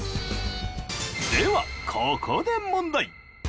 ではここで問題。